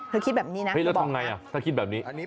คิดแบบนี้นะแล้วทำไงถ้าคิดแบบนี้